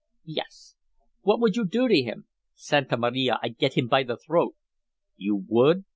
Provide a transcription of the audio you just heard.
"Yes." "What would you do to him?" "Santa Maria! I'd get him by the throat " "You would?"